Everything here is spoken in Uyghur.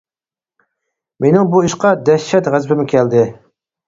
مېنىڭ بۇ ئىشقا دەھشەت غەزىپىم كەلدى.